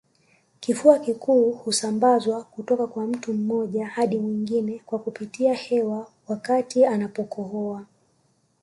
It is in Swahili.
Kifua kikuu husambazwa kutoka kwa mtu mmoja hadi mwingine kwa kupitia hewa wakati anapokohoa